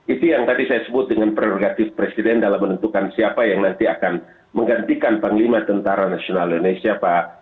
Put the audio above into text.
itu yang tadi saya sebut dengan prerogatif presiden dalam menentukan siapa yang nanti akan menggantikan panglima tentara nasional indonesia pak